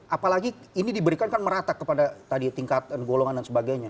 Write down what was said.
apalagi ini diberikan kan merata kepada tadi tingkat golongan dan sebagainya